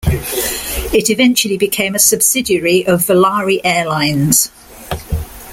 It eventually became a subsidiary of Volare Airlines.